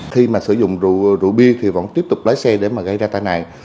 khi mà sử dụng rượu bia thì vẫn tiếp tục lái xe để mà gây ra tai nạn